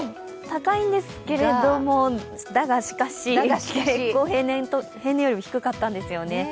高いんですけれども、だがしかし平年よりも低かったんですよね。